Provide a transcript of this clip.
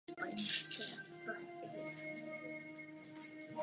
Kandidátem politbyra se stal Wang Kang.